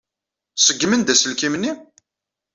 Ṣeggmen-d aselkim-nni?